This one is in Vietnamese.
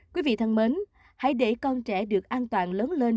quý vị thân mến hãy để con trẻ được an toàn lớn lên